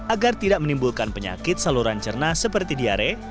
agar tidak menimbulkan penyakit saluran cerna seperti diare